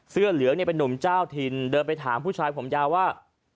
เสื้อเหลืองเนี่ยเป็นนุ่มเจ้าถิ่นเดินไปถามผู้ชายผมยาวว่า